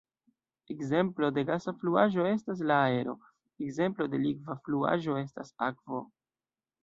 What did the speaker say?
Ekzemplo de gasa fluaĵo estas la aero; ekzemplo de likva fluaĵo estas akvo.